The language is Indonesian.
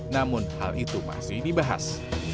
namun hal itu masih dibahas